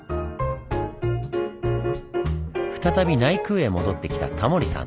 再び内宮へ戻ってきたタモリさん。